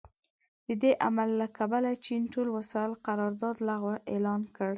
د دې عمل له کبله چین ټول وسايلو قرارداد لغوه اعلان کړ.